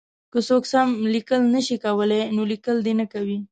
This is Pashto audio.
که څوک سم لیکل نه شي کولای نو لیکل دې نه کوي.